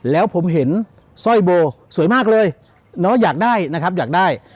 แล้วผมเห็นสร้อยโบสวยมากเลยเนาะอยากได้นะครับอยากได้